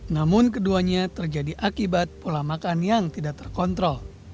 namun keduanya terjadi akibat pola makan yang tidak terkontrol